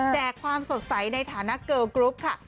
ความสดใสในฐานะเกอร์กรุ๊ปค่ะ